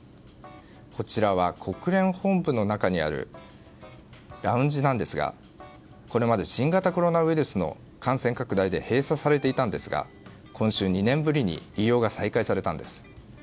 こちらは、国連本部の中にあるラウンジなんですがこれまで新型コロナウイルスの感染拡大で閉鎖されていたんですが今週２年ぶりに利用が再開されたんです。